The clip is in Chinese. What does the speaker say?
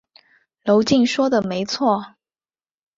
娄敬说的没错。